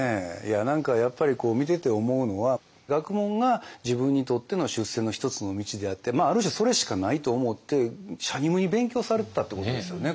何かやっぱり見てて思うのは学問が自分にとっての出世の一つの道であってある種それしかないと思ってしゃにむに勉強されてたってことですよねこれ。